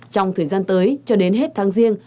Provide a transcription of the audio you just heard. trong thời gian tới cho đến hết tháng riêng